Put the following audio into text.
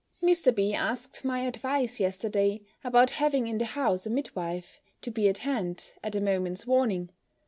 Mr. B. asked my advice yesterday, about having in the house a midwife, to be at hand, at a moment's warning.